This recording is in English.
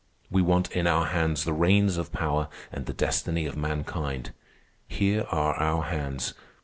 We want in our hands the reins of power and the destiny of mankind. Here are our hands.